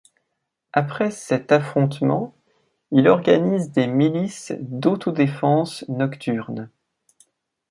Après cet affrontement, il organise des milices d'autodéfense nocturnes.